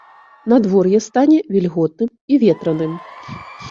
Надвор'е стане вільготным і ветраным.